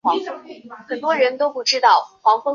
瑞亚克。